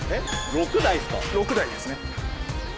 ６台ですね。